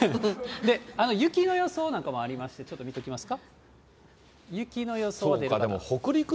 雪の予想なんかもありまして、ちょっと見ておきますか。